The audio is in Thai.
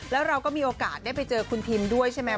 แล้วเราก็มีโอกาสได้ไปเจอคุณพิมด้วยใช่ไหม